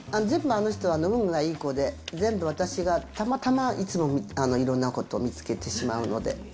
全部あの人は運がいい子で、全部、私がたまたまいつもいろんなことを見つけてしまうので。